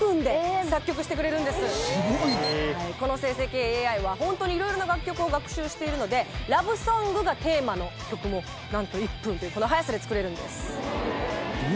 この生成系ＡＩはいろいろな楽曲を学習しているので「ラブソング」がテーマの曲もなんと１分というこの早さで作れるんです。